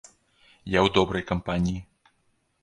Я ў добрай кампаніі.